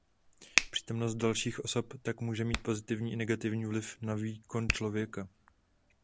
Přítomnost dalších osob tak může mít pozitivní i negativní vliv na výkon člověka.